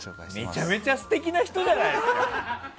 めちゃめちゃ素敵な人じゃないですか！